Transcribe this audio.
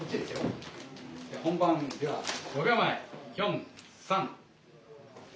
本番では５秒前４３。